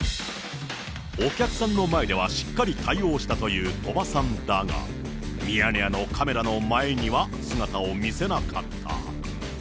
お客さんの前ではしっかり対応したという鳥羽さんだが、ミヤネ屋のカメラの前には姿を見せなかった。